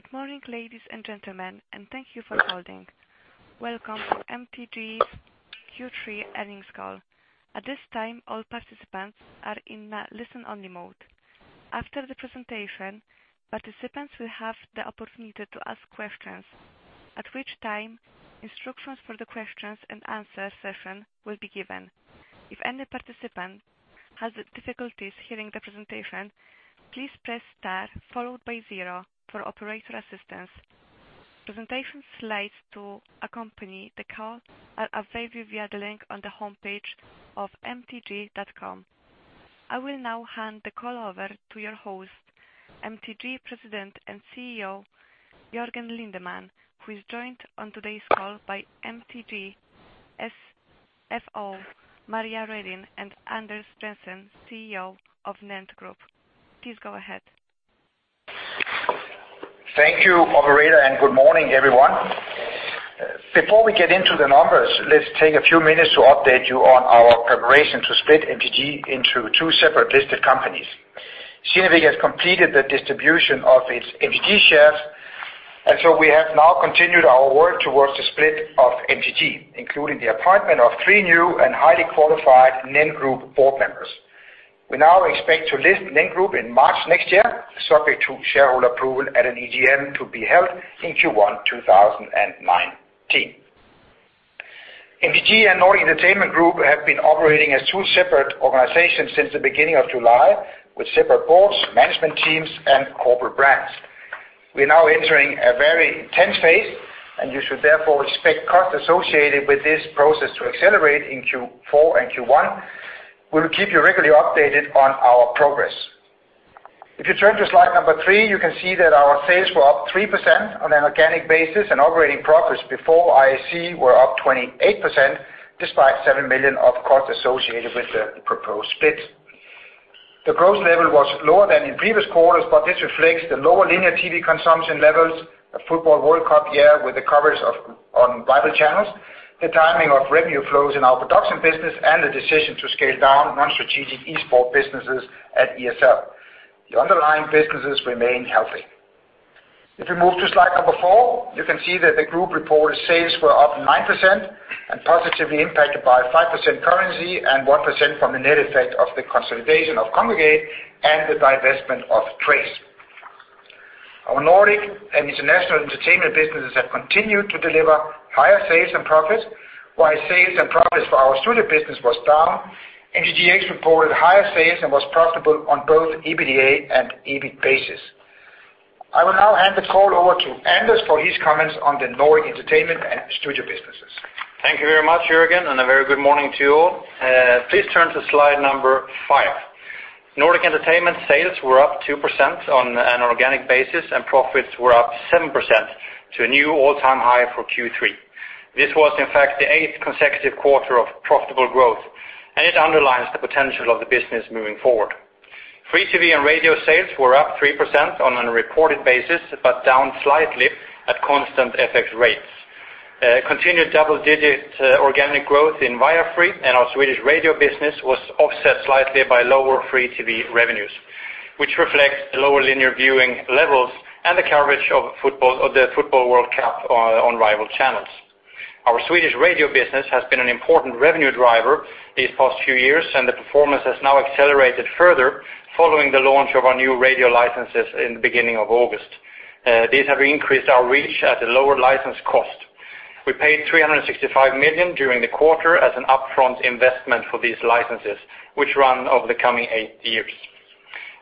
Good morning, ladies and gentlemen. Thank you for holding. Welcome to MTG Q3 Earnings Call. At this time, all participants are in a listen-only mode. After the presentation, participants will have the opportunity to ask questions, at which time instructions for the questions and answer session will be given. If any participant has difficulties hearing the presentation, please press star followed by zero for operator assistance. Presentation slides to accompany the call are available via the link on the homepage of mtg.com. I will now hand the call over to your host, MTG President and CEO, Jørgen Lindemann, who is joined on today's call by MTG CFO, Maria Redin, and Anders Jensen, CEO of NENT Group. Please go ahead. Thank you, operator. Good morning, everyone. Before we get into the numbers, let's take a few minutes to update you on our preparation to split MTG into two separate listed companies. Kinnevik has completed the distribution of its MTG shares. We have now continued our work towards the split of MTG, including the appointment of three new and highly qualified NENT Group board members. We now expect to list NENT Group in March next year, subject to shareholder approval at an EGM to be held in Q1 2019. MTG and Nordic Entertainment Group have been operating as two separate organizations since the beginning of July, with separate boards, management teams, and corporate brands. We are now entering a very intense phase. You should therefore expect costs associated with this process to accelerate in Q4 and Q1. We will keep you regularly updated on our progress. If you turn to slide number three, you can see that our sales were up 3% on an organic basis. Operating profits before IAC were up 28%, despite 7 million of costs associated with the proposed split. The growth level was lower than in previous quarters. This reflects the lower linear TV consumption levels, a football World Cup year with the coverage on rival channels, the timing of revenue flows in our production business, and the decision to scale down non-strategic esports businesses at ESL. The underlying businesses remain healthy. If we move to slide number four, you can see that the group reported sales were up 9%. Positively impacted by 5% currency and 1% from the net effect of the consolidation of Kongregate and the divestment of Trace. Our Nordic and international entertainment businesses have continued to deliver higher sales and profits, while sales and profits for our studio business was down. MTGx reported higher sales and was profitable on both EBITDA and EBIT basis. I will now hand the call over to Anders for his comments on the Nordic entertainment and studio businesses. Thank you very much, Jørgen, and a very good morning to you all. Please turn to slide number 5. Nordic Entertainment sales were up 2% on an organic basis, and profits were up 7% to a new all-time high for Q3. This was in fact the 8th consecutive quarter of profitable growth, and it underlines the potential of the business moving forward. Free TV and radio sales were up 3% on a reported basis, but down slightly at constant FX rates. Continued double-digit organic growth in Viafree and our Swedish radio business was offset slightly by lower free TV revenues, which reflects lower linear viewing levels and the coverage of the football World Cup on rival channels. Our Swedish radio business has been an important revenue driver these past few years, and the performance has now accelerated further following the launch of our new radio licenses in the beginning of August. These have increased our reach at a lower license cost. We paid 365 million during the quarter as an upfront investment for these licenses, which run over the coming eight years.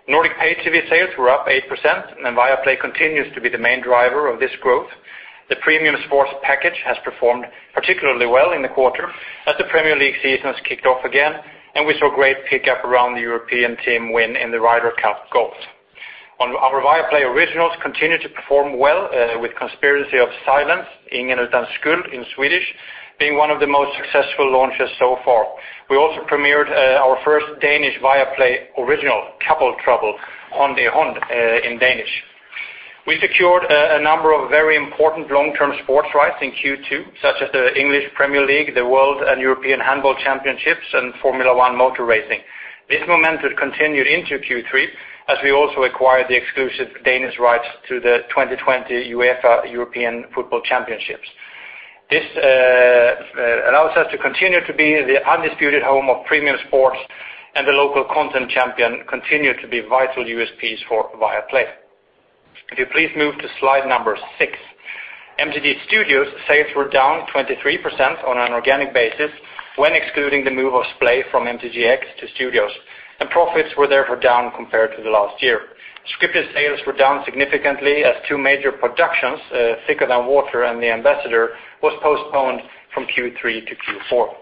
Nordic Pay-TV sales were up 8%, and Viaplay continues to be the main driver of this growth. The premium sports package has performed particularly well in the quarter as the Premier League season has kicked off again, and we saw great pickup around the European team win in the Ryder Cup Golf. Our Viaplay originals continue to perform well, with "Conspiracy of Silence," "Ingen utan skuld" in Swedish, being one of the most successful launches so far. We also premiered our first Danish Viaplay original, "Couple Trouble," "Hundehund" in Danish. We secured a number of very important long-term sports rights in Q2, such as the English Premier League, the World and European Handball Championships, and Formula 1 motor racing. This momentum continued into Q3, as we also acquired the exclusive Danish rights to the 2020 UEFA European Football Championships. This allows us to continue to be the undisputed home of premium sports, and the local content champion continued to be vital USPs for Viaplay. If you please move to slide number 6. MTG Studios sales were down 23% on an organic basis when excluding the move of Splay from MTGx to Studios, and profits were therefore down compared to the last year. Scripted sales were down significantly as two major productions, "Thicker Than Water" and "The Ambassador," was postponed from Q3 to Q4.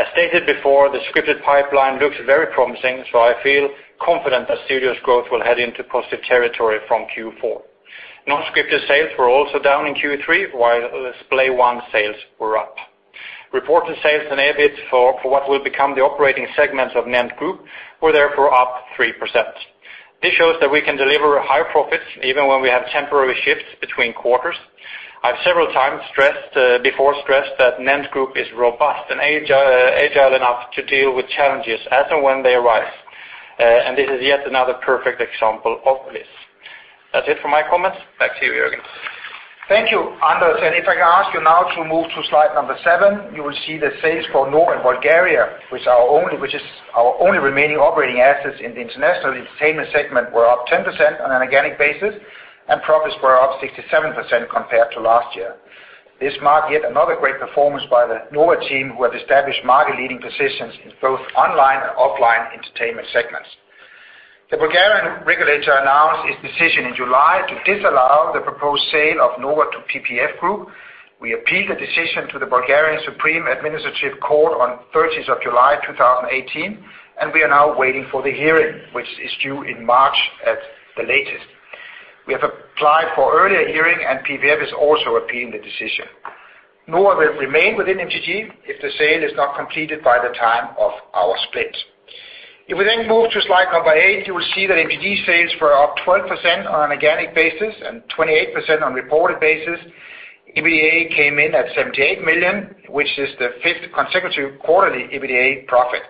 As stated before, the scripted pipeline looks very promising, so I feel confident that Studios growth will head into positive territory from Q4. Non-scripted sales were also down in Q3, while Splay One sales were up. Reported sales and EBIT for what will become the operating segments of NENT Group were therefore up 3%. This shows that we can deliver high profits even when we have temporary shifts between quarters I've several times before stressed that NENT Group is robust and agile enough to deal with challenges as and when they arise. This is yet another perfect example of this. That's it for my comments. Back to you, Jørgen. Thank you, Anders. If I can ask you now to move to slide seven, you will see the sales for Nova and Bulgaria, which is our only remaining operating assets in the international entertainment segment, were up 10% on an organic basis, and profits were up 67% compared to last year. This marked yet another great performance by the Nova team, who have established market-leading positions in both online and offline entertainment segments. The Bulgarian regulator announced its decision in July to disallow the proposed sale of Nova to PPF Group. We appealed the decision to the Supreme Administrative Court of Bulgaria on 30th of July, 2018. We are now waiting for the hearing, which is due in March at the latest. We have applied for earlier hearing. PPF is also appealing the decision. Nova will remain within MTG if the sale is not completed by the time of our split. Moving to slide eight, you will see that MTG sales were up 12% on an organic basis and 28% on reported basis. EBITDA came in at 78 million, which is the fifth consecutive quarterly EBITDA profit.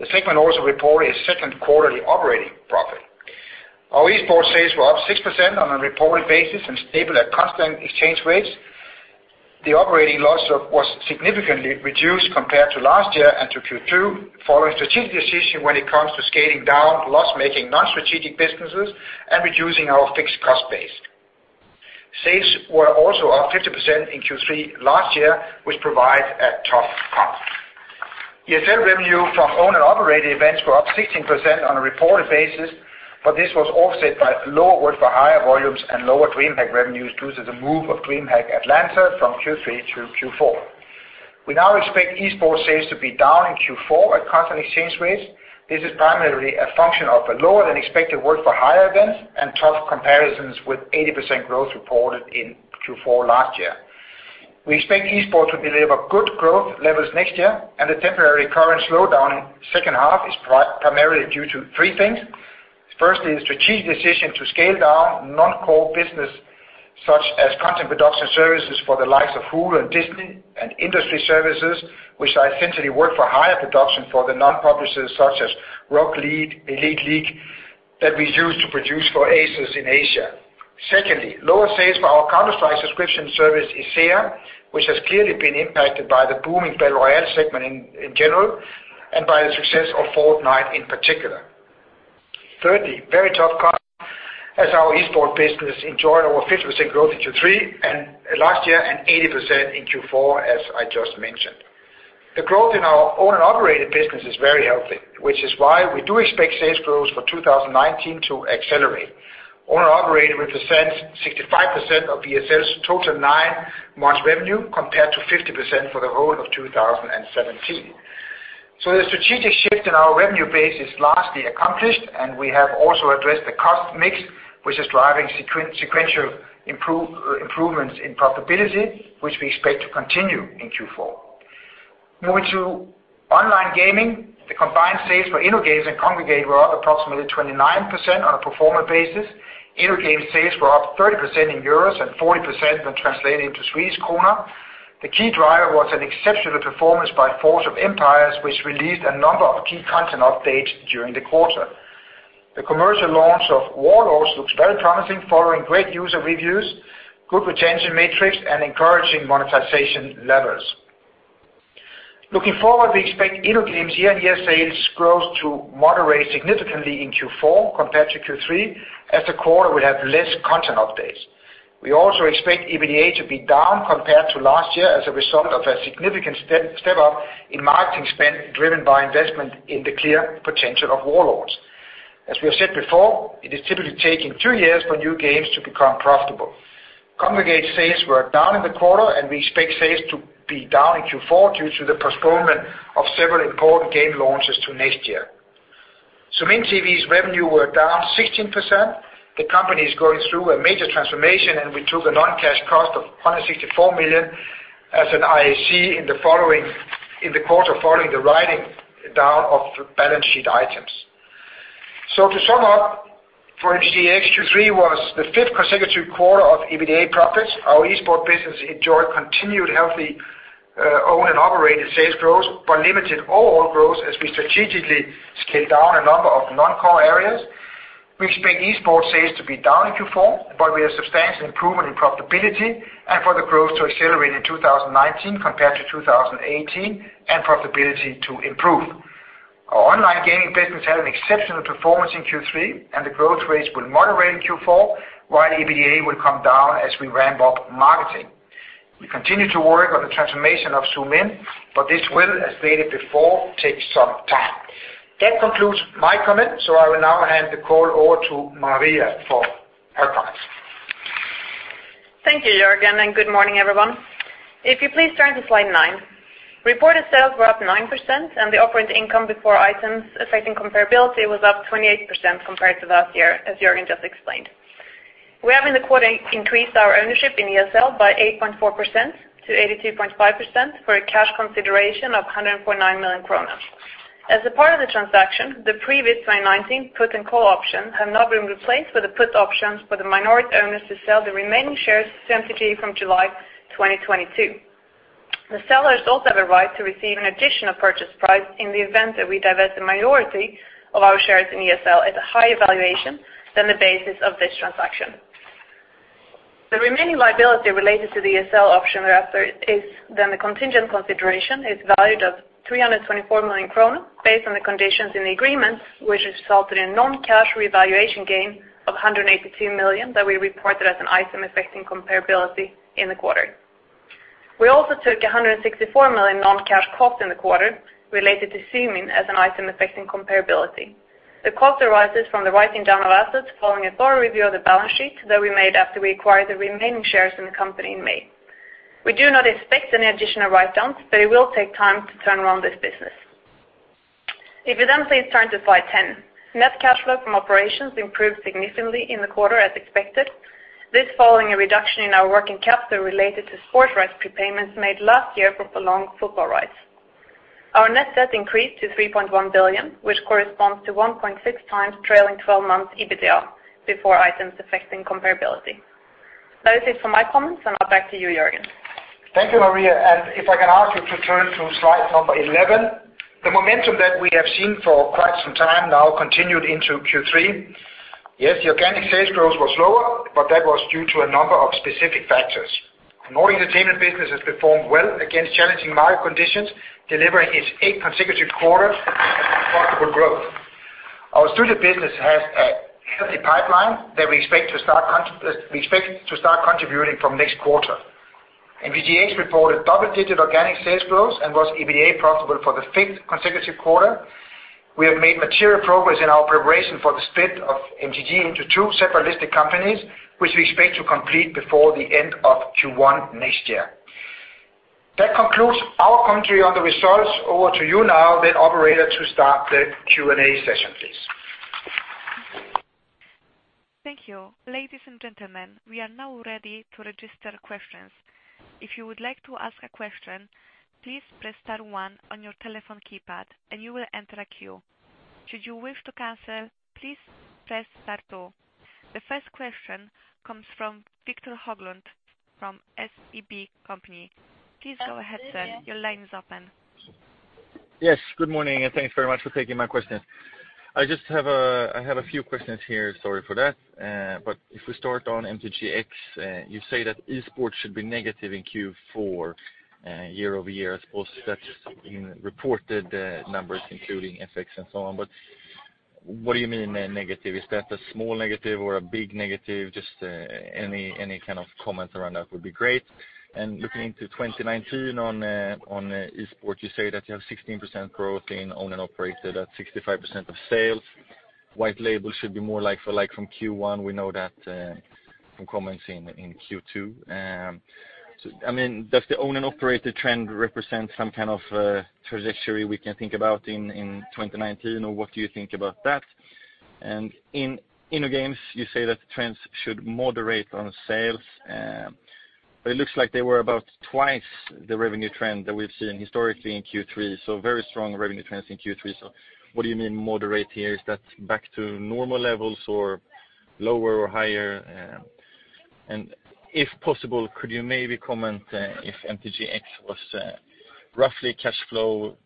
The segment also reported its second quarterly operating profit. Our esports sales were up 6% on a reported basis and stable at constant exchange rates. The operating loss was significantly reduced compared to last year and to Q2 following strategic decision when it comes to scaling down loss-making non-strategic businesses and reducing our fixed cost base. Sales were also up 50% in Q3 last year, which provide a tough comp. ESL revenue from owned and operated events were up 16% on a reported basis. This was offset by lower work for higher volumes and lower DreamHack revenues due to the move of DreamHack Atlanta from Q3 to Q4. We now expect esports sales to be down in Q4 at constant exchange rates. This is primarily a function of a lower-than-expected work for higher events and tough comparisons with 80% growth reported in Q4 last year. We expect esports to deliver good growth levels next year. The temporary current slowdown in the second half is primarily due to three things. Firstly, the strategic decision to scale down non-core business such as content production services for the likes of Hulu and Disney and industry services, which are essentially work-for-hire production for the non-publishers such as Rocket League, Elite League, that we used to produce for Asus in Asia. Secondly, lower sales for our Counter-Strike subscription service, ESEA, which has clearly been impacted by the booming battle royale segment in general and by the success of Fortnite in particular. Thirdly, very tough comp as our esports business enjoyed over 50% growth in Q3 and last year and 80% in Q4, as I just mentioned. The growth in our own operated business is very healthy, which is why we do expect sales growth for 2019 to accelerate. Own operated represents 65% of ESL's total nine months revenue, compared to 50% for the whole of 2017. The strategic shift in our revenue base is largely accomplished, and we have also addressed the cost mix, which is driving sequential improvements in profitability, which we expect to continue in Q4. Moving to online gaming, the combined sales for InnoGames and Kongregate were up approximately 29% on a pro forma basis. InnoGames sales were up 30% in EUR and 40% when translated into SEK. The key driver was an exceptional performance by Forge of Empires, which released a number of key content updates during the quarter. The commercial launch of Warlords looks very promising following great user reviews, good retention metrics, and encouraging monetization levels. Looking forward, we expect InnoGames year-on-year sales growth to moderate significantly in Q4 compared to Q3, as the quarter will have less content updates. We also expect EBITDA to be down compared to last year as a result of a significant step-up in marketing spend driven by investment in the clear potential of Warlords. As we have said before, it is typically taking two years for new games to become profitable. Kongregate sales were down in the quarter, and we expect sales to be down in Q4 due to the postponement of several important game launches to next year. Zoomin.TV's revenue were down 16%. The company is going through a major transformation, and we took a non-cash cost of 164 million as an IAC in the quarter following the writing down of balance sheet items. To sum up, for MTG, Q3 was the fifth consecutive quarter of EBITDA profits. Our esports business enjoyed continued healthy own and operated sales growth, but limited overall growth as we strategically scaled down a number of non-core areas. We expect esports sales to be down in Q4, but with a substantial improvement in profitability and for the growth to accelerate in 2019 compared to 2018 and profitability to improve. Our online gaming business had an exceptional performance in Q3, and the growth rates will moderate in Q4, while EBITDA will come down as we ramp up marketing. We continue to work on the transformation of Zoomin.TV, but this will, as stated before, take some time. That concludes my comments, I will now hand the call over to Maria for her comments. Thank you, Jørgen, and good morning, everyone. If you please turn to slide nine. Reported sales were up 9%, and the operating income before items affecting comparability was up 28% compared to last year, as Jørgen just explained. We have in the quarter increased our ownership in ESL by 8.4% to 82.5% for a cash consideration of 104.9 million kronor. As a part of the transaction, the previous 2019 put and call options have now been replaced with the put options for the minority owners to sell the remaining shares to MTG from July 2022. The sellers also have a right to receive an additional purchase price in the event that we divest the minority of our shares in ESL at a higher valuation than the basis of this transaction. The remaining liability related to the ESL option, thereafter, is then the contingent consideration is valued at 324 million, based on the conditions in the agreements, which resulted in non-cash revaluation gain of 182 million that we reported as an item affecting comparability in the quarter. We also took 164 million non-cash cost in the quarter, related to Zoomin.TV as an item affecting comparability. The cost arises from the write-down of assets following a thorough review of the balance sheet that we made after we acquired the remaining shares in the company in May. We do not expect any additional write-downs, but it will take time to turn around this business. Evidently it is time to slide 10. Net cash flow from operations improved significantly in the quarter as expected. This following a reduction in our working capital related to sports rights prepayments made last year from prolonged football rights. Our net debt increased to 3.1 billion, which corresponds to 1.6 times trailing 12 months EBITDA, before items affecting comparability. That is it for my comments, and back to you, Jørgen. Thank you, Maria. If I can ask you to turn to slide number 11. The momentum that we have seen for quite some time now continued into Q3. Yes, the organic sales growth was lower, but that was due to a number of specific factors. Nordic Entertainment business has performed well against challenging market conditions, delivering its eight consecutive quarter of profitable growth. Our studio business has a healthy pipeline that we expect to start contributing from next quarter. MTGx reported double-digit organic sales growth and was EBITDA profitable for the fifth consecutive quarter. We have made material progress in our preparation for the split of MTG into two separate listed companies, which we expect to complete before the end of Q1 next year. That concludes our commentary on the results. Over to you now, the operator, to start the Q&A session, please. Thank you. Ladies and gentlemen, we are now ready to register questions. If you would like to ask a question, please press star one on your telephone keypad and you will enter a queue. Should you wish to cancel, please press star two. The first question comes from Viktor Höglund from SEB. Please go ahead, sir. Your line is open. Yes, good morning. Thanks very much for taking my questions. I have a few questions here. Sorry for that. If we start on MTGx, you say that esports should be negative in Q4 year-over-year, I suppose that's in reported numbers including FX and so on, but what do you mean negative? Is that a small negative or a big negative? Just any kind of comment around that would be great. Looking into 2019 on esports, you say that you have 16% growth in owned and operated at 65% of sales. White label should be more like for like from Q1. We know that from comments in Q2. Does the owned and operated trend represent some kind of trajectory we can think about in 2019, or what do you think about that? In InnoGames, you say that trends should moderate on sales, it looks like they were about twice the revenue trend that we've seen historically in Q3. Very strong revenue trends in Q3. What do you mean moderate here? Is that back to normal levels or lower or higher? If possible, could you maybe comment if MTGx was roughly cash flow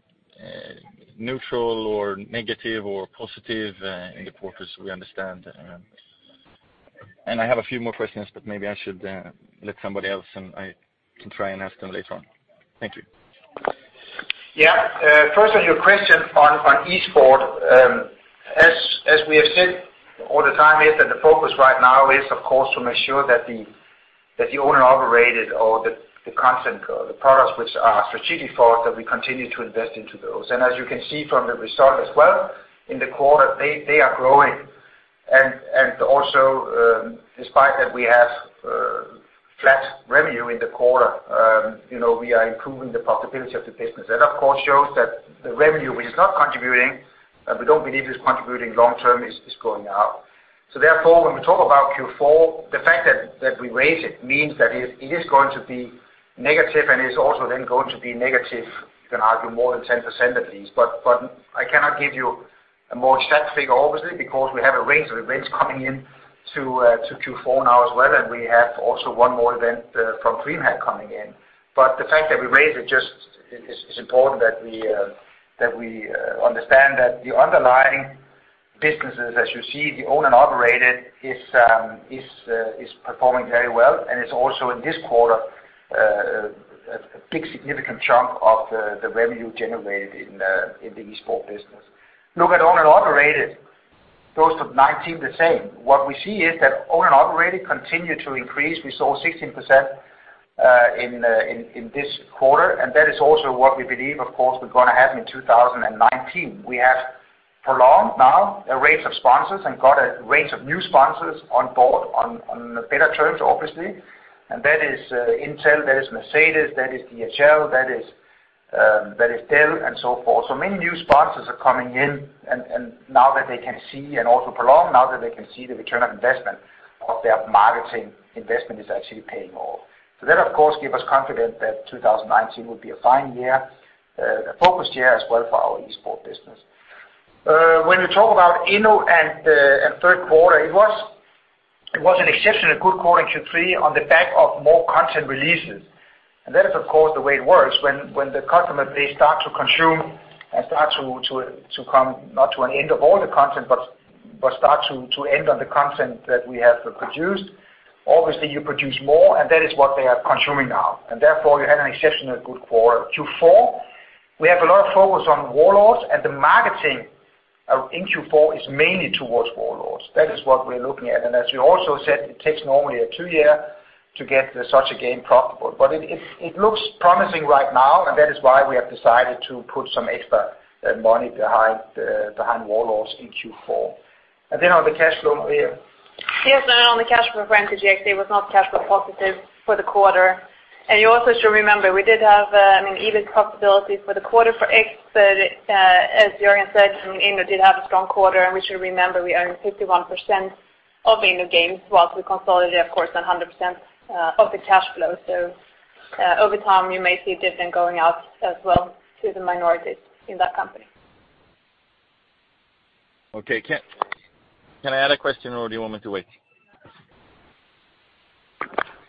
neutral or negative or positive in the quarters we understand? I have a few more questions, maybe I should let somebody else in. I can try and ask them later on. Thank you. Yeah. First on your question on esports. As we have said all the time, is that the focus right now is, of course, to make sure that the owned and operated or the content, the products which are strategic for us, that we continue to invest into those. As you can see from the result as well in the quarter, they are growing. Also, despite that we have flat revenue in the quarter, we are improving the profitability of the business. That of course, shows that the revenue, which is not contributing, and we don't believe is contributing long-term, is going up. Therefore, when we talk about Q4, the fact that we raise it means that it is going to be negative and is also then going to be negative, you can argue more than 10% at least. I cannot give you a more exact figure, obviously, because we have a range of events coming in to Q4 now as well, and we have also one more event from DreamHack coming in. The fact that we raised it just is important that we understand that the underlying businesses, as you see, the owned and operated is performing very well and is also in this quarter a big significant chunk of the revenue generated in the esports business. Look at owned and operated, goes to 2019 the same. What we see is that owned and operated continued to increase. We saw 16% in this quarter, and that is also what we believe, of course, we're going to have in 2019. We have prolonged now a range of sponsors and got a range of new sponsors on board on better terms, obviously. That is Intel, that is Mercedes, that is DHL, that is Dell, and so forth. Many new sponsors are coming in and now that they can see and also prolong, now that they can see the return on investment Of their marketing investment is actually paying off. That of course gives us confidence that 2019 will be a fine year, a focused year as well for our esports business. When you talk about Inno and third quarter, it was an exceptionally good quarter, Q3, on the back of more content releases. That is of course the way it works when the customer, they start to consume and start to come, not to an end of all the content, but start to end on the content that we have produced. Obviously, you produce more, and that is what they are consuming now. Therefore you had an exceptionally good quarter. Q4, we have a lot of focus on Warlords, and the marketing in Q4 is mainly towards Warlords. That is what we're looking at. As we also said, it takes normally a 2-year to get such a game profitable. It looks promising right now, and that is why we have decided to put some extra money behind Warlords in Q4. Then on the cash flow, Maria. Yes, on the cash flow front, MTGx was not cash flow positive for the quarter. You also should remember, we did have EBIT profitability for the quarter for X, but as Jørgen said, Inno did have a strong quarter, and we should remember we own 51% of InnoGames whilst we consolidate, of course, 100% of the cash flow. Over time, you may see a dividend going out as well to the minorities in that company. Okay. Can I add a question or do you want me to wait?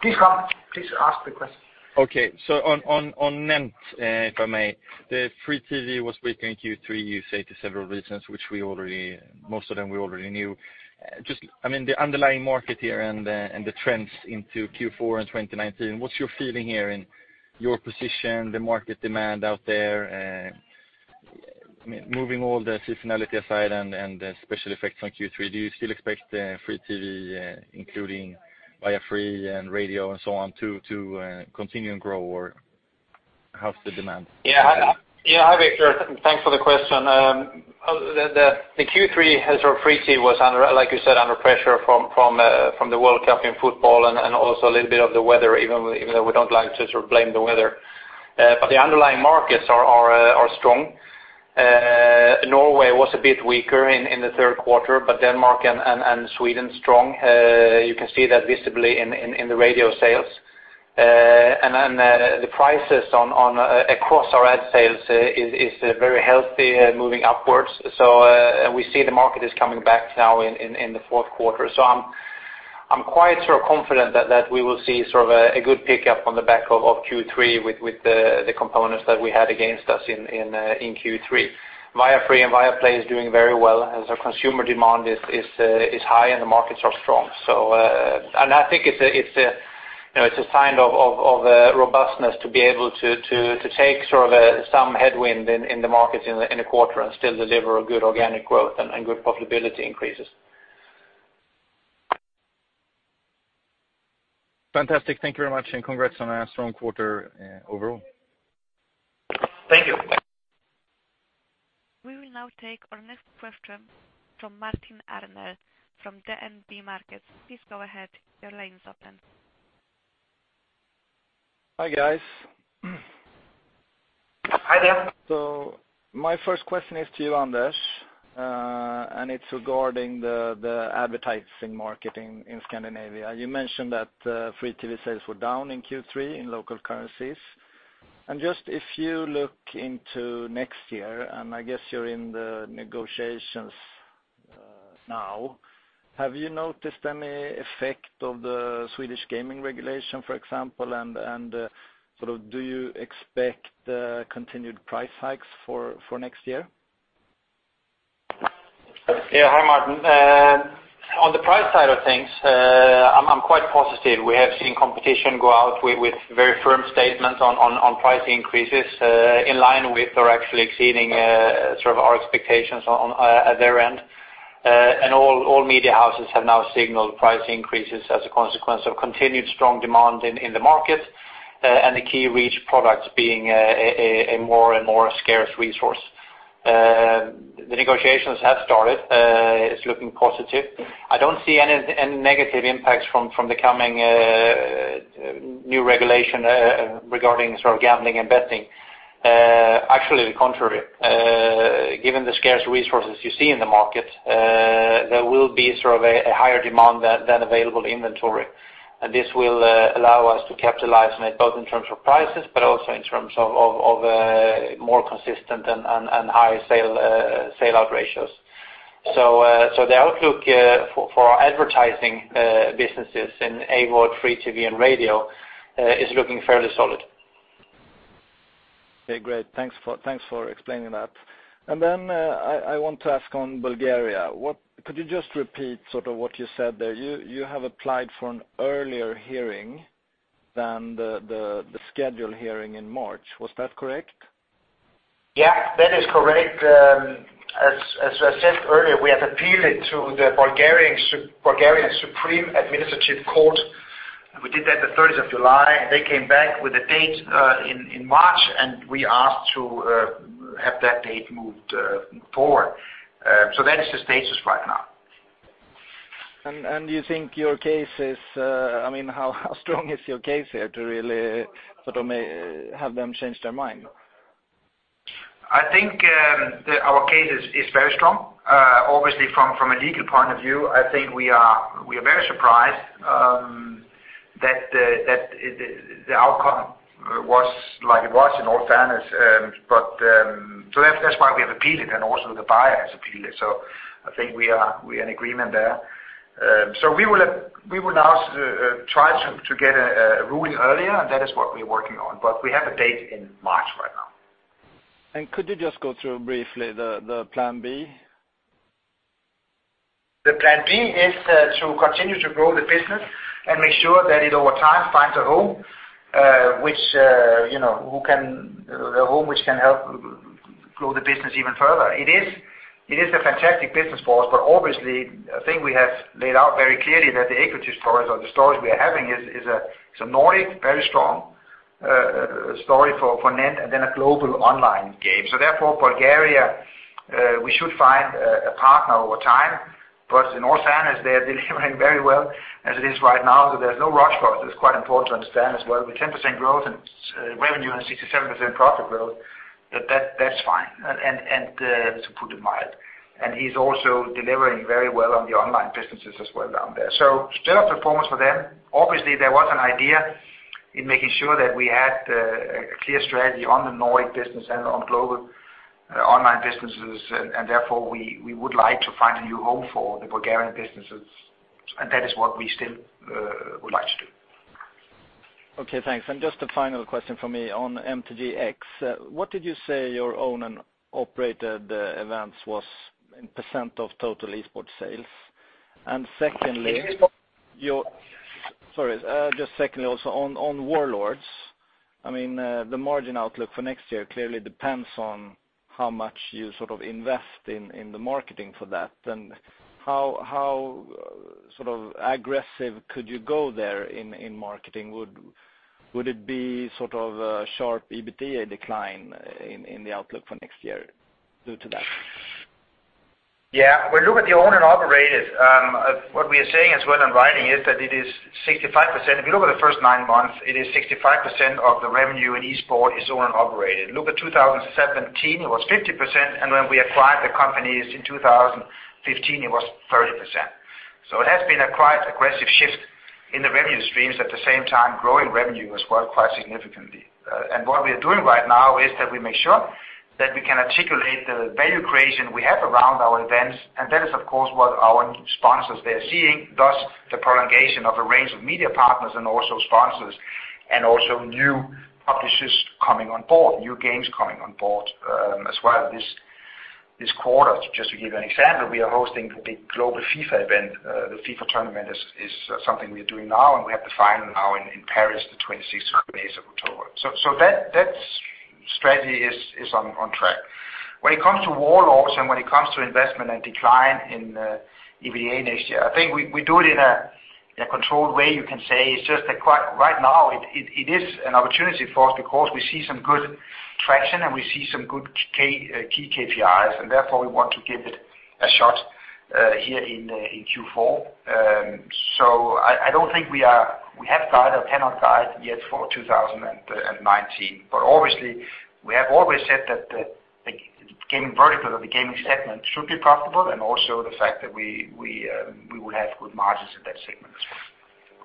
Please come. Please ask the question. Okay. On Nent, if I may. The free TV was weak in Q3, you say to several reasons, which most of them we already knew. Just the underlying market here and the trends into Q4 and 2019, what's your feeling here in your position, the market demand out there? Moving all the seasonality aside and the special effects on Q3, do you still expect free TV, including Viafree and radio and so on, to continue and grow, or how's the demand? Yeah. Hi, Viktor. Thanks for the question. The Q3 for free TV was under, like you said, under pressure from the World Cup in football and also a little bit of the weather, even though we don't like to blame the weather. The underlying markets are strong. Norway was a bit weaker in the third quarter, Denmark and Sweden strong. You can see that visibly in the radio sales. The prices across our ad sales is very healthy and moving upwards. We see the market is coming back now in the fourth quarter. I'm quite confident that we will see a good pickup on the back of Q3 with the components that we had against us in Q3. Viafree and Viaplay is doing very well as our consumer demand is high and the markets are strong. I think it's a sign of robustness to be able to take some headwind in the markets in a quarter and still deliver a good organic growth and good profitability increases. Fantastic. Thank you very much and congrats on a strong quarter overall. Thank you. We will now take our next question from Martin Arnell from DNB Markets. Please go ahead. Your line is open. Hi, guys. Hi, there. My first question is to you, Anders, regarding the advertising marketing in Scandinavia. You mentioned that free TV sales were down in Q3 in local currencies. Just if you look into next year, and I guess you're in the negotiations now, have you noticed any effect of the Swedish gaming regulation, for example, and do you expect continued price hikes for next year? Hi, Martin. On the price side of things, I'm quite positive. We have seen competition go out with very firm statements on price increases in line with or actually exceeding our expectations at their end. All media houses have now signaled price increases as a consequence of continued strong demand in the market and the key reach products being a more and more scarce resource. The negotiations have started. It's looking positive. I don't see any negative impacts from the coming new regulation regarding gambling and betting. Actually, the contrary. Given the scarce resources you see in the market, there will be a higher demand than available inventory. This will allow us to capitalize on it, both in terms of prices, but also in terms of more consistent and higher sell-out ratios. The outlook for our advertising businesses in AVOD free TV and radio is looking fairly solid. Okay, great. Thanks for explaining that. I want to ask on Bulgaria. Could you just repeat what you said there? You have applied for an earlier hearing than the scheduled hearing in March. Was that correct? Yeah, that is correct. As I said earlier, we have appealed it to the Bulgarian Supreme Administrative Court. We did that the 30th of July. They came back with a date in March, we asked to have that date moved forward. That is the status right now. You think your case is how strong is your case there to really have them change their mind? I think our case is very strong. Obviously, from a legal point of view, I think we are very surprised that the outcome was like it was in all fairness. That's why we have appealed it and also the buyer has appealed it. I think we are in agreement there. We will now try to get a ruling earlier, and that is what we're working on. We have a date in March right now. Could you just go through briefly the plan B? The plan B is to continue to grow the business and make sure that it, over time, finds a home which can help grow the business even further. It is a fantastic business for us, but obviously, I think we have laid out very clearly that the equities stories or the stories we are having is a Nordic very strong story for NENT and then a global online game. Therefore, Bulgaria, we should find a partner over time, but in all fairness, they are delivering very well as it is right now. There's no rush for us. It's quite important to understand as well, with 10% growth in revenue and 67% profit growth, that's fine, to put it mild. He's also delivering very well on the online businesses as well down there. Still a performance for them. Obviously, there was an idea in making sure that we had a clear strategy on the Nordic business and on global online businesses. Therefore, we would like to find a new home for the Bulgarian businesses. That is what we still would like to do. Okay, thanks. Just a final question from me on MTGx. What did you say your owned and operated events was in % of total esports sales? Secondly- Can you repeat that? Sorry. Just secondly also, on Warlords, the margin outlook for next year clearly depends on how much you sort of invest in the marketing for that. How sort of aggressive could you go there in marketing? Would it be sort of a sharp EBITDA decline in the outlook for next year due to that? Yeah. When you look at the owned and operated, what we are saying as well in writing is that it is 65%. If you look at the first nine months, it is 65% of the revenue in esports is owned and operated. Look at 2017, it was 50%, and when we acquired the companies in 2015, it was 30%. It has been a quite aggressive shift in the revenue streams at the same time growing revenue as well quite significantly. What we are doing right now is that we make sure that we can articulate the value creation we have around our events, and that is of course what our sponsors they're seeing, thus the prolongation of a range of media partners and also sponsors and also new publishers coming on board, new games coming on board as well this quarter. Just to give you an example, we are hosting the big global FIFA event. The FIFA tournament is something we are doing now, and we have the final now in Paris, the 26th of October. That strategy is on track. When it comes to Warlords and when it comes to investment and decline in EBITDA next year, I think we do it in a controlled way, you can say. Right now it is an opportunity for us because we see some good traction and we see some good key KPIs, and therefore we want to give it a shot here in Q4. I don't think we have guided or cannot guide yet for 2019. Obviously, we have always said that the gaming vertical or the gaming segment should be profitable and also the fact that we will have good margins in that segment as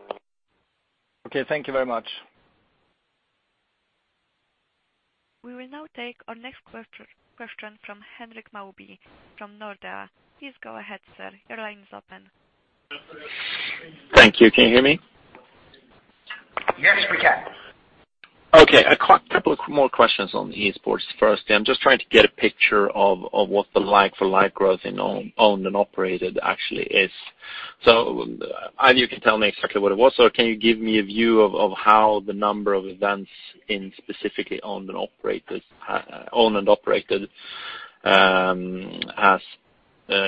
well. Okay, thank you very much. We will now take our next question from Henrik Möller from Nordea. Please go ahead, sir. Your line is open. Thank you. Can you hear me? Yes, we can. Okay. A couple of more questions on esports. Firstly, I'm just trying to get a picture of what the like-for-like growth in owned and operated actually is. Either you can tell me exactly what it was or can you give me a view of how the number of events in specifically owned and operated has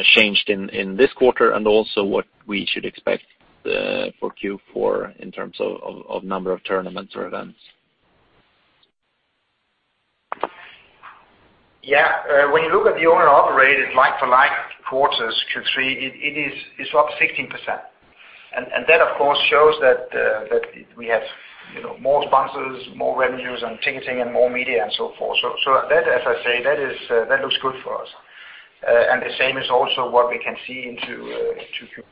changed in this quarter and also what we should expect for Q4 in terms of number of tournaments or events? Yeah. When you look at the owned and operated like-for-like quarters, Q3, it is up 16%. That of course shows that we have more sponsors, more revenues and ticketing and more media and so forth. That, as I say, that looks good for us. The same is also what we can see into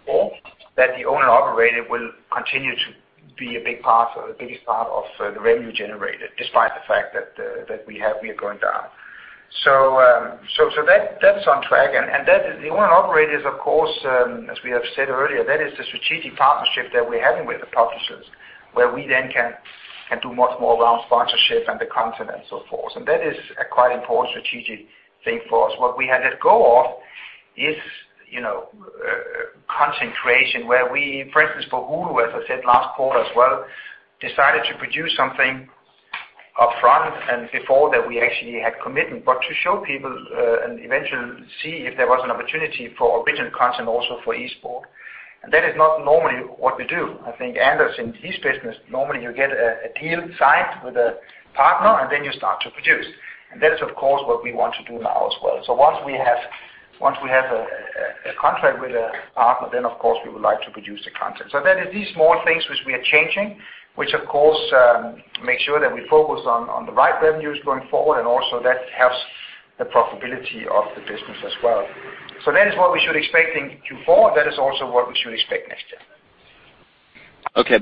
Q4, that the owned and operated will continue to be a biggest part of the revenue generated despite the fact that we are going down. That's on track. The owned and operated is, of course, as we have said earlier, that is the strategic partnership that we're having with the publishers, where we then can do much more around sponsorship and the content and so forth. That is a quite important strategic thing for us. What we had at go off is concentration where we, for instance, for Hulu, as I said last quarter as well, decided to produce something upfront and before that we actually had commitment. To show people and eventually see if there was an opportunity for original content also for esports. That is not normally what we do. I think Anders in his business, normally you get a deal signed with a partner and then you start to produce. That is of course what we want to do now as well. Once we have a contract with a partner, then of course we would like to produce the content. That is these small things which we are changing, which of course make sure that we focus on the right revenues going forward and also that helps The profitability of the business as well. That is what we should expect in Q4. That is also what we should expect next year. Okay,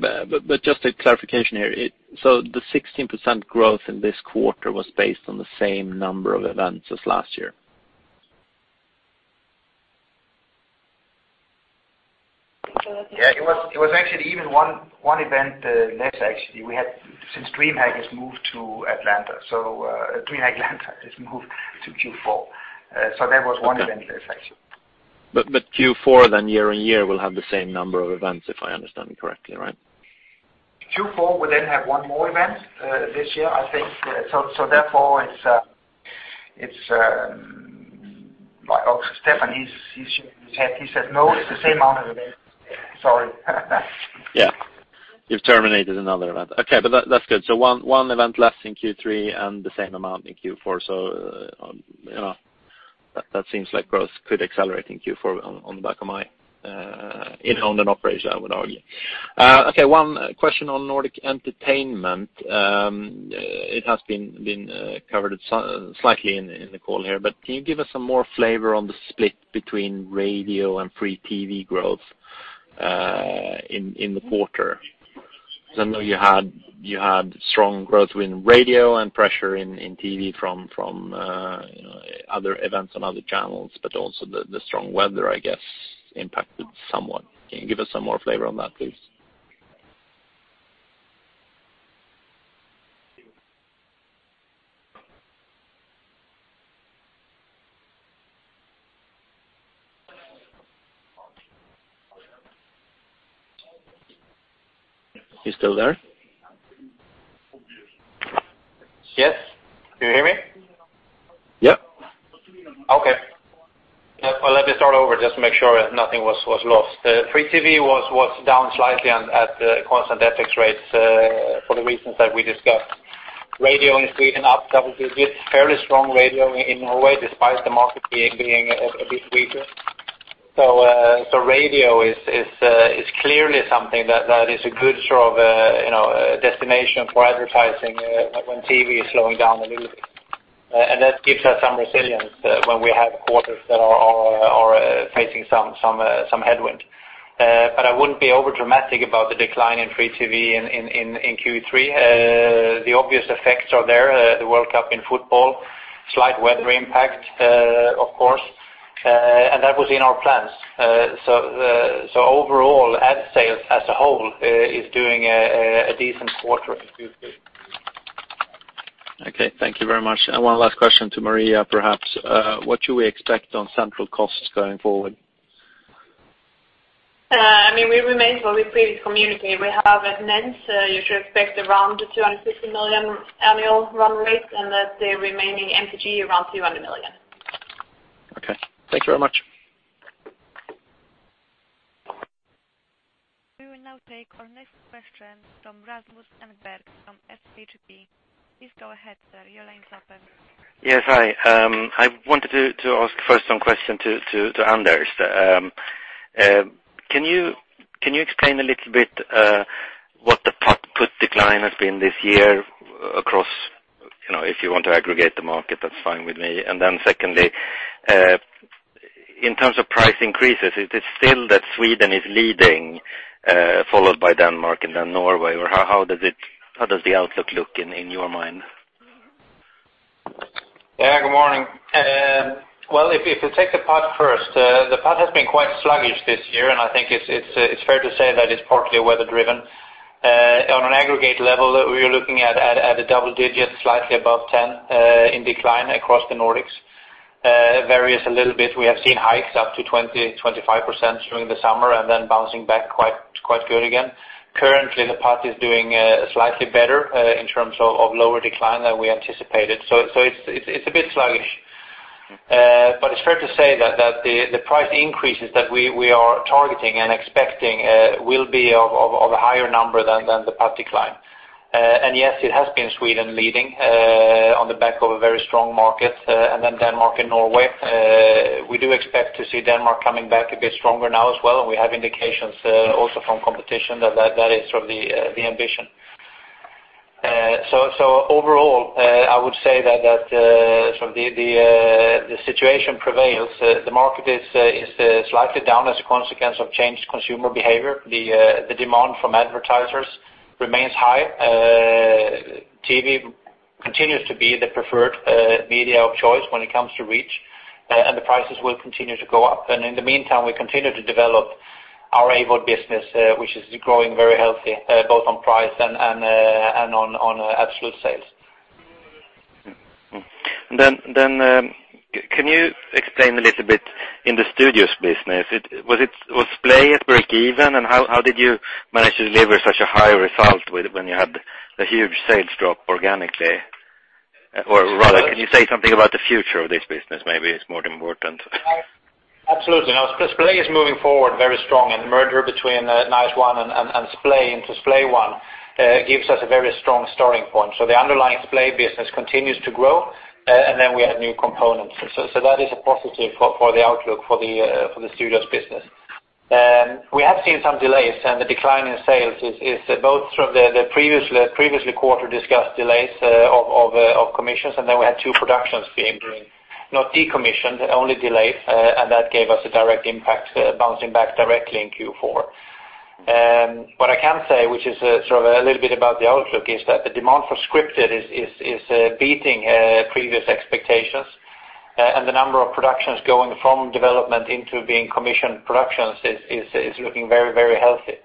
just a clarification here. The 16% growth in this quarter was based on the same number of events as last year? Yeah. It was actually even one event less, actually. DreamHack has moved to Atlanta, DreamHack Atlanta has moved to Q4. There was one event less, actually. Q4 year-over-year will have the same number of events, if I understand correctly, right? Q4 will have one more event this year, I think. Stefan, he said no, it is the same amount of events. Sorry. Yeah. You have terminated another event. Okay. That is good. One event less in Q3 and the same amount in Q4. That seems like growth could accelerate in Q4 on the back of owned and operation, I would argue. Okay, one question on Nordic Entertainment. It has been covered slightly in the call here, but can you give us some more flavor on the split between radio and free TV growth in the quarter? Because I know you had strong growth in radio and pressure in TV from other events on other channels, but also the strong weather, I guess, impacted somewhat. Can you give us some more flavor on that, please? You still there? Yes. Can you hear me? Yep. Okay. Let me start over, just to make sure nothing was lost. Free TV was down slightly at constant FX rates, for the reasons that we discussed. Radio is up double digits, fairly strong radio in Norway, despite the market being a bit weaker. Radio is clearly something that is a good destination for advertising when TV is slowing down a little bit. That gives us some resilience when we have quarters that are facing some headwind. I would not be over dramatic about the decline in free TV in Q3. The obvious effects are there, the World Cup in football, slight weather impact, of course, and that was in our plans. Overall, ad sales as a whole is doing a decent quarter Q3. Okay, thank you very much. One last question to Maria, perhaps. What should we expect on central costs going forward? We remain what we previously communicated. We have at NENT, you should expect around 250 million annual run rate, and that the remaining MTG around 200 million. Okay. Thank you very much. We will now take our next question from Rasmus Engberg from SHB. Please go ahead, sir. Your line's open. Yes, hi. I wanted to ask first one question to Anders. Can you explain a little bit, what the PUT decline has been this year across, if you want to aggregate the market, that's fine with me. Secondly, in terms of price increases, is it still that Sweden is leading, followed by Denmark and then Norway? Or how does the outlook look in your mind? Yeah, good morning. If you take the PUT first, the PUT has been quite sluggish this year, I think it's fair to say that it's partly weather driven. On an aggregate level, we are looking at a double digit, slightly above 10, in decline across the Nordics. It varies a little bit. We have seen hikes up to 20%, 25% during the summer and then bouncing back quite good again. Currently, the PUT is doing slightly better, in terms of lower decline than we anticipated. It's a bit sluggish. It's fair to say that the price increases that we are targeting and expecting will be of a higher number than the PUT decline. Yes, it has been Sweden leading, on the back of a very strong market, and then Denmark and Norway. We do expect to see Denmark coming back a bit stronger now as well, we have indications also from competition that is sort of the ambition. Overall, I would say that the situation prevails. The market is slightly down as a consequence of changed consumer behavior. The demand from advertisers remains high. TV continues to be the preferred media of choice when it comes to reach, the prices will continue to go up. In the meantime, we continue to develop our AVOD business, which is growing very healthy, both on price and on absolute sales. Can you explain a little bit in the MTG Studios business, was Splay at breakeven, how did you manage to deliver such a high result when you had the huge sales drop organically? Rather, can you say something about the future of this business, maybe is more important? Absolutely. Splay is moving forward very strong, the merger between Nice One and Splay into SplayOne gives us a very strong starting point. The underlying Splay business continues to grow, we add new components. That is a positive for the outlook for the Studios business. We have seen some delays and the decline in sales is both from the previous quarter discussed delays of commissions, we had two productions being not decommissioned, only delayed, and that gave us a direct impact bouncing back directly in Q4. What I can say, which is a little bit about the outlook, is that the demand for scripted is beating previous expectations, and the number of productions going from development into being commissioned productions is looking very healthy.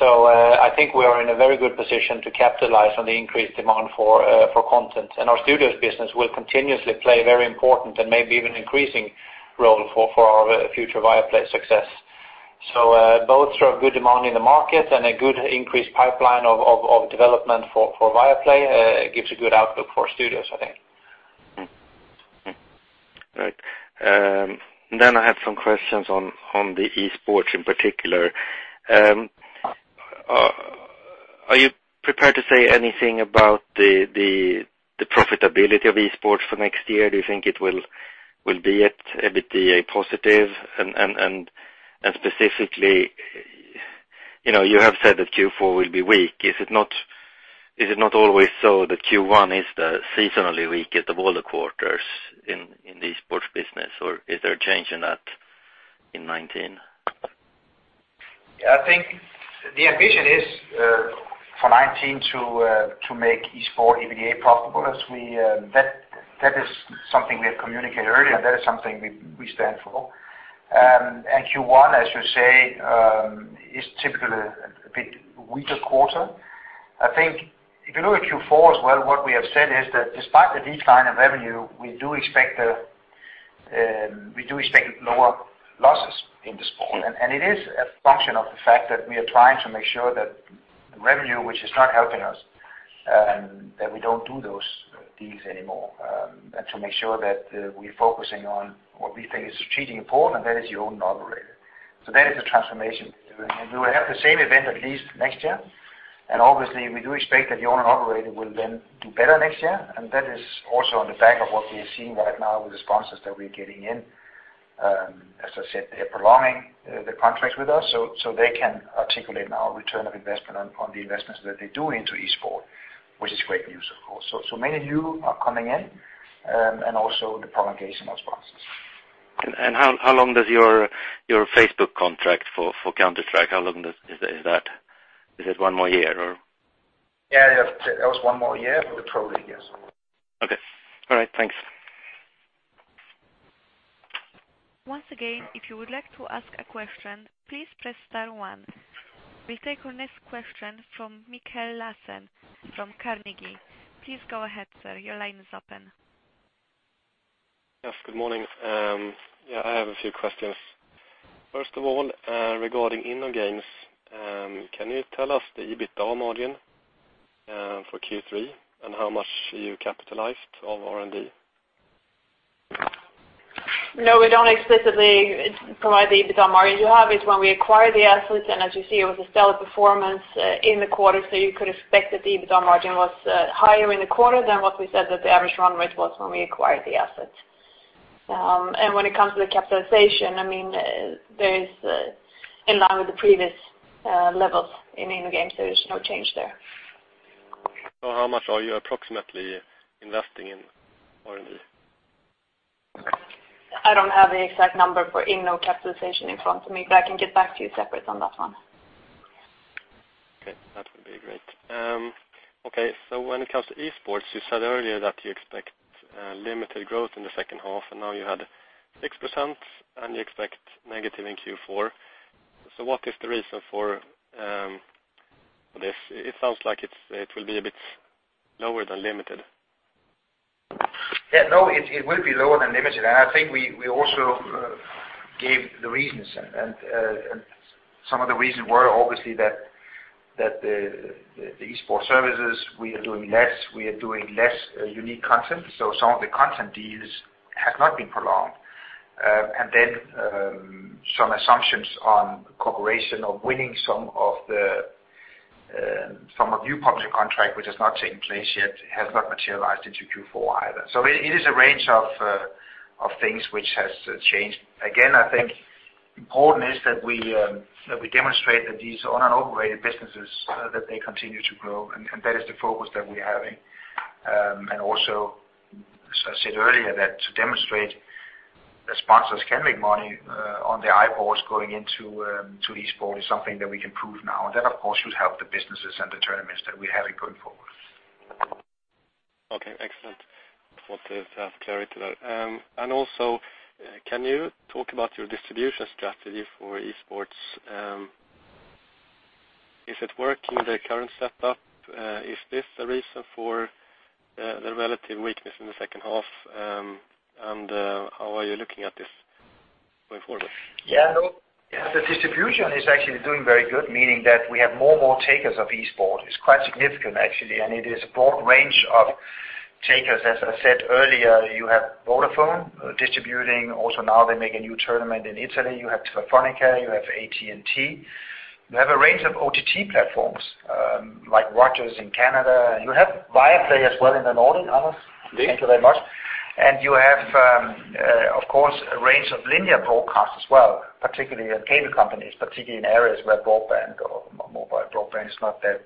I think we are in a very good position to capitalize on the increased demand for content. Our Studios business will continuously play a very important and maybe even increasing role for our future Viaplay success. Both are good demand in the market and a good increased pipeline of development for Viaplay gives a good outlook for Studios, I think. Right. I have some questions on the esports in particular. Are you prepared to say anything about the profitability of esports for next year? Do you think it will be at EBITDA positive? Specifically, you have said that Q4 will be weak. Is it not always so that Q1 is the seasonally weakest of all the quarters in the esports business, or is there a change in that in 2019? I think the ambition is for 2019 to make esport EBITDA profitable as that is something we have communicated earlier, that is something we stand for. Q1, as you say, is typically a bit weaker quarter. I think if you look at Q4 as well, what we have said is that despite the decline in revenue, we do expect lower losses in esport. It is a function of the fact that we are trying to make sure that revenue, which is not helping us, that we don't do those deals anymore, to make sure that we're focusing on what we think is strategically important, that is the owned and operated. That is the transformation we're doing. We will have the same event at least next year. Obviously we do expect that the owned and operated will then do better next year, and that is also on the back of what we are seeing right now with the sponsors that we're getting in. As I said, they're prolonging the contracts with us, so they can articulate now return of investment on the investments that they do into esport, which is great news, of course. Many new are coming in, and also the prolongation of sponsors. How long does your Facebook contract for Counter-Strike, how long is that? Is it one more year, or? Yeah, that was one more year for the Pro League, yes. Okay. All right, thanks. Once again, if you would like to ask a question, please press star one. We will take our next question from Mikkel Laursen from Carnegie. Please go ahead, sir. Your line is open. Yes, good morning. Yeah, I have a few questions. First of all, regarding InnoGames, can you tell us the EBITDA margin for Q3 and how much you capitalized of R&D? No, we do not explicitly provide the EBITDA margin. You have it when we acquire the assets, as you see, it was a stellar performance in the quarter, you could expect that the EBITDA margin was higher in the quarter than what we said that the average run rate was when we acquired the asset. When it comes to the capitalization, in line with the previous levels in InnoGames, there is no change there. How much are you approximately investing in R&D? I don't have the exact number for Inno capitalization in front of me. I can get back to you separately on that one. Okay. That would be great. Okay, when it comes to esports, you said earlier that you expect limited growth in the second half, and now you had 6% and you expect negative in Q4. What is the reason for this? It sounds like it will be a bit lower than limited. Yeah, no, it will be lower than limited. I think we also gave the reasons. Some of the reasons were obviously that the esports services, we are doing less unique content. Some of the content deals have not been prolonged. Then some assumptions on cooperation of winning some of new public contract which has not taken place yet, has not materialized into Q4 either. It is a range of things which has changed. Again, I think important is that we demonstrate that these owned and operated businesses, that they continue to grow, and that is the focus that we are having. Also, as I said earlier, that to demonstrate that sponsors can make money on their eyeballs going into esport is something that we can prove now. That, of course, should help the businesses and the tournaments that we're having going forward. Okay, excellent. Wanted to have clarity there. Also, can you talk about your distribution strategy for esports? Is it working with the current setup? Is this a reason for the relative weakness in the second half? How are you looking at this going forward? Yeah. The distribution is actually doing very good, meaning that we have more takers of esports. It's quite significant, actually. It is a broad range of takers. As I said earlier, you have Vodafone distributing also now they make a new tournament in Italy. You have Telefónica, you have AT&T. You have a range of OTT platforms, like Rogers in Canada. You have Viaplay as well in the north, Anders? Thank you very much. You have, of course, a range of linear broadcasts as well, particularly your cable companies, particularly in areas where broadband or mobile broadband is not that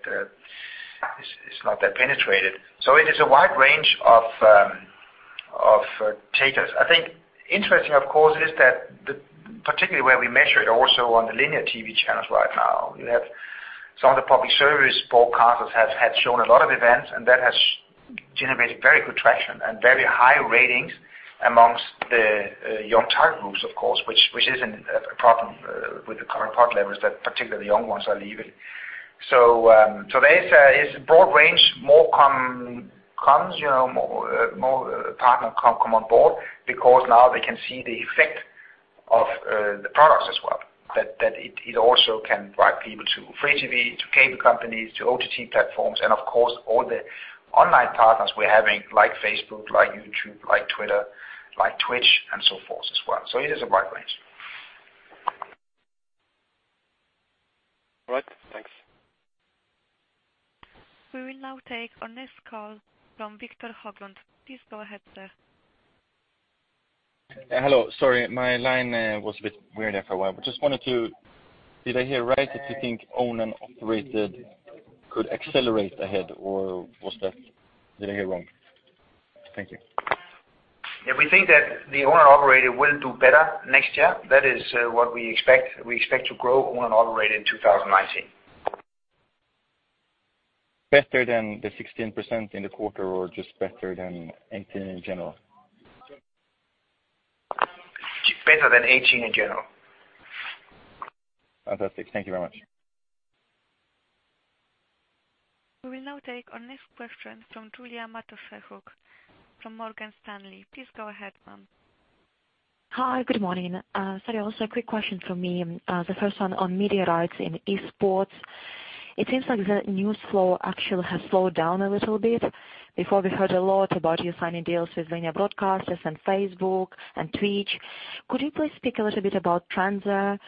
penetrated. It is a wide range of takers. I think interesting, of course, is that particularly where we measure it also on the linear TV channels right now, you have some of the public service broadcasters have shown a lot of events. That has generated very good traction and very high ratings amongst the young target groups, of course, which is a problem with the current product levels that particularly the young ones are leaving. There is a broad range. More partners come on board because now they can see the effect of the products as well, that it also can drive people to free TV, to cable companies, to OTT platforms, and of course, all the online partners we're having like Facebook, like YouTube, like Twitter, like Twitch, and so forth as well. It is a wide range. All right. Thanks. We will now take our next call from Viktor Höglund. Please go ahead, sir. Hello. Sorry, my line was a bit weird there for a while. Did I hear right that you think owned and operated could accelerate ahead, or did I hear wrong? Thank you. We think that the owned and operated will do better next year. That is what we expect. We expect to grow owned and operated in 2019. Better than the 16% in the quarter or just better than AT&T in general? Better than AT&T in general. Fantastic. Thank you very much. We will now take our next question from Julija Matoševic from Morgan Stanley. Please go ahead, ma'am. Hi. Good morning. Sorry, also a quick question from me. The first one on media rights in esports. It seems like the news flow actually has slowed down a little bit. Before, we heard a lot about you signing deals with linear broadcasters and Facebook and Twitch. Could you please speak a little bit about trends there?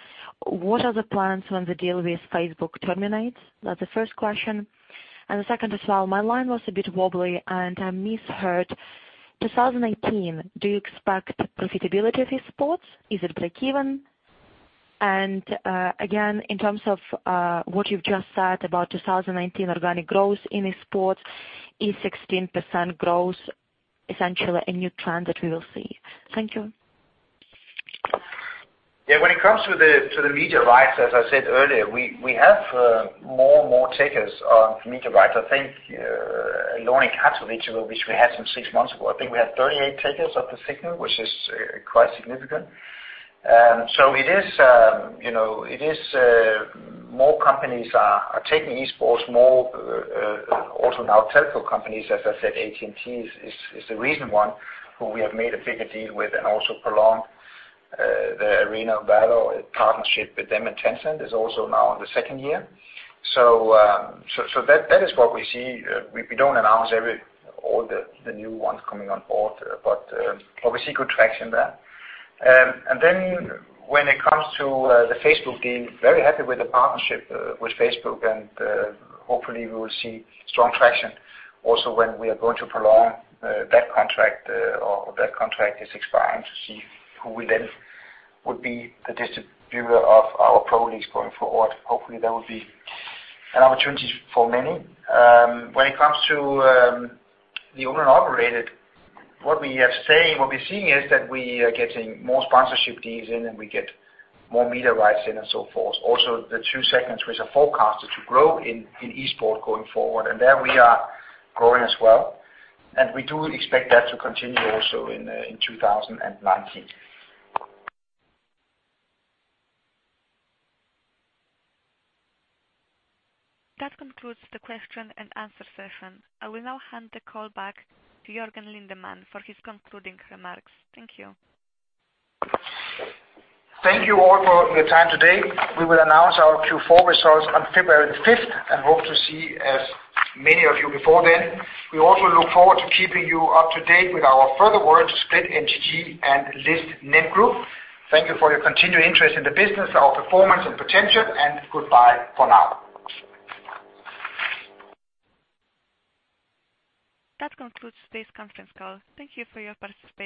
What are the plans when the deal with Facebook terminates? That's the first question. The second as well, my line was a bit wobbly, and I misheard 2019. Do you expect profitability for esports? Is it breakeven? Again, in terms of what you've just said about 2019 organic growth in esports, is 16% growth essentially a new trend that we will see? Thank you. Yeah. When it comes to the media rights, as I said earlier, we have more takers on media rights. I think lowering cut of it, which we had some 6 months ago. I think we have 38 takers of the signal, which is quite significant. More companies are taking esports more, also now telco companies. As I said, AT&T is the recent one who we have made a bigger deal with and also prolonged the Arena of Valor partnership with them, and Tencent is also now in the second year. That is what we see. We don't announce all the new ones coming on board, but we see good traction there. When it comes to the Facebook deal, very happy with the partnership with Facebook, and hopefully we will see strong traction also when we are going to prolong that contract, or that contract is expiring to see who will then would be the distributor of our Pro Leagues going forward. Hopefully, there will be an opportunity for many. When it comes to the owned and operated, what we are seeing is that we are getting more sponsorship deals in and we get more media rights in and so forth. The 2 segments which are forecasted to grow in esports going forward, and there we are growing as well. We do expect that to continue also in 2019. That concludes the question and answer session. I will now hand the call back to Jørgen Lindemann for his concluding remarks. Thank you. Thank you all for your time today. We will announce our Q4 results on February the 5th and hope to see as many of you before then. We also look forward to keeping you up to date with our further work to split MTG and list NENT Group. Thank you for your continued interest in the business, our performance, and potential, and goodbye for now. That concludes today's conference call. Thank you for your participation